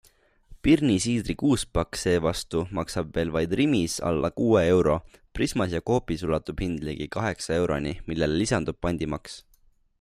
Pirnisiidri kuuspakk seevastu maksab veel vaid Rimis alla kuue euro, Prismas ja Coopis ulatub hind ligi kaheksa euroni, millele lisandub pandimaks.